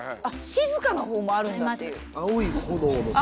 静かなほうもあるんだっていう。